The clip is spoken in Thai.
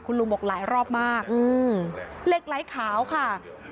ลุงบอกหลายรอบมากอืมเหล็กไหลขาวค่ะ